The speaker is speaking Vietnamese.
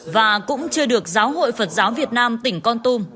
và cũng chưa được giáo hội phật giáo việt nam tỉnh con tum